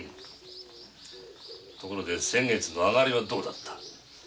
ところで先月のあがりはどうだった？